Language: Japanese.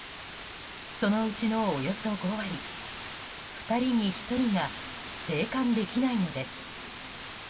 そのうちのおよそ５割２人に１人が生還できないのです。